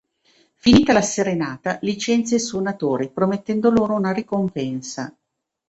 Finita la serenata licenzia i suonatori promettendo loro una ricompensa.